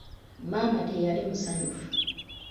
Maama teyali musanyufu.